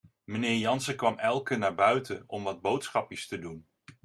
Meneer Jansen kwam elke naar buiten om wat boodschapjes te doen.